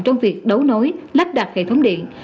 trong việc đấu nối lắp đặt hệ thống điện